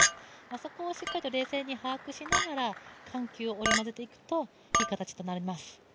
そこをしっかりと冷静に把握しながら、緩急を織り交ぜていくと、いい形となります。